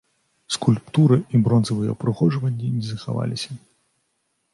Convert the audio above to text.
Скульптура і бронзавыя ўпрыгожванні не захаваліся.